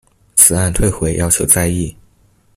此案退回要求再議